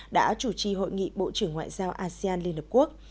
đã chủ trì hội nghị bộ trưởng ngoại giao asean liên hợp quốc